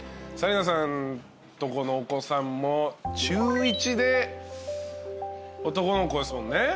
紗理奈さんとこのお子さんも中１で男の子ですもんね。